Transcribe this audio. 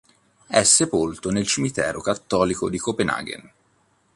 È sepolto nel cimitero cattolico di Copenaghen.